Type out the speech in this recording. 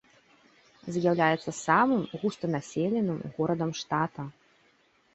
З'яўляецца самым густанаселеным горадам штата.